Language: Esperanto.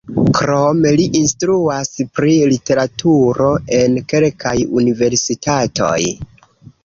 Krome li instruas pri literaturo en kelkaj universitatoj.